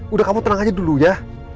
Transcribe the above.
udah kamu tenang aja dulu ya